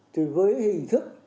thì với hình thức